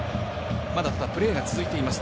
まだプレーが続いています。